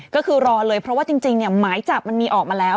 ก็คือรอเลยเพราะว่าจริงหมายจับมันมีออกมาแล้ว